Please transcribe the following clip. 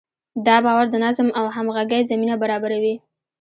دا باور د نظم او همغږۍ زمینه برابروي.